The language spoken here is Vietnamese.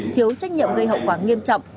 thiếu trách nhiệm gây hậu quả nghiêm trọng